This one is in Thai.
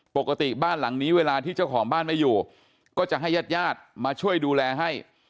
ปกติบ้านหลังนี้เวลาที่เจ้าของบ้านไม่อยู่ก็จะให้ญาติญาติมาช่วยดูแลให้